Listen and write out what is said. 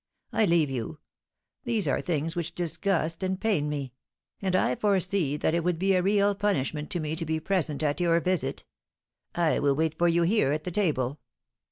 I leave you. These are things which disgust and pain me; and I foresee that it would be a real punishment to me to be present at your visit. I will wait for you here at the table."